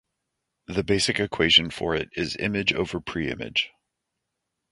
The basic equation for it is image over preimage.